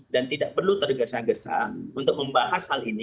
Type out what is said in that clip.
dan tidak perlu tergesa gesa untuk membahas hal ini